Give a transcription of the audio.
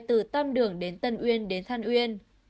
từ tam đường đến tân uyên đến than uyên